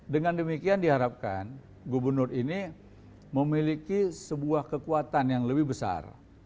dengan demikian diharapkan gubernur ini memiliki sebuah kekuatan yang lebih besar